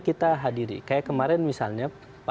kita hadiri kayak kemarin misalnya